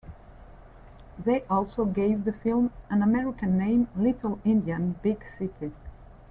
They also gave the film an American name Little Indian, Big City.